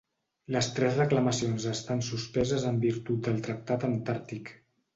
Les tres reclamacions estan suspeses en virtut del Tractat Antàrtic.